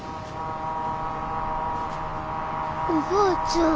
おばあちゃん。